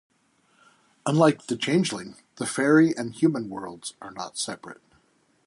Unlike in Changeling, the faerie and human worlds are not separate.